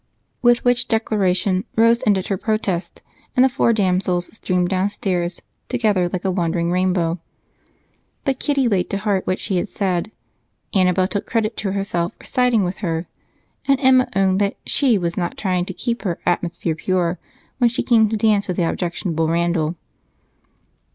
With which declaration Rose ended her protest, and the four damsels streamed downstairs together like a wandering rainbow. But Kitty laid to heart what she had said; Annabel took credit herself for siding with her; and Emma owned that she was not trying to keep her atmosphere pure when she came to dance with the objectionable Randal.